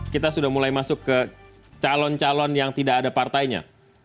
kita sudah mulai masuk ke calon calon yang tidak ada partainya